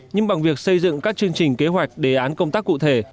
nhưng bằng việc xây dựng các chương trình kế hoạch đề án công tác cụ thể